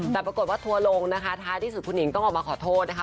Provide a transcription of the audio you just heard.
แต่ปรากฏว่าทัวร์ลงนะคะท้ายที่สุดคุณหญิงต้องออกมาขอโทษนะคะ